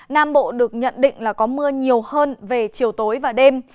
nam bộ được nhận định là có mưa nhiều hơn về chiều tối và đêm